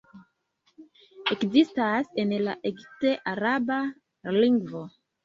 Ekzistas en la egipt-araba lingvo.